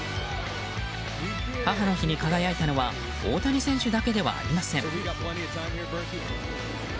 母の日に輝いたのは大谷選手だけではありません。